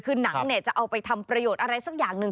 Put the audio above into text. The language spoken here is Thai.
คือหนังเนี่ยจะเอาไปทำประโยชน์อะไรสักอย่างหนึ่ง